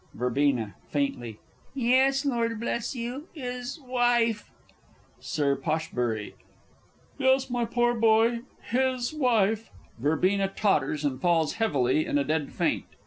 Verb. (faintly). Yes, Lord Bleshugh, his wife! Sir P. Yes, my poor boy, his wife! [VERBENA totters, and falls heavily in a dead faint, R.